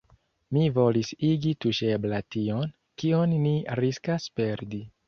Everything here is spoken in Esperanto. Mi volis igi tuŝebla tion, kion ni riskas perdi.